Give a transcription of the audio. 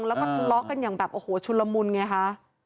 แล้วก็ทะเลาะกันอย่างแบบโอ้โหชุนละมุนไงคะ